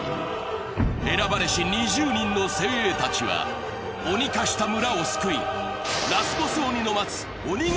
選ばれし２０人の精鋭たちは鬼化した村を救い、ラスボス鬼の待つ鬼ケ